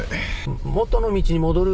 元の道に戻る。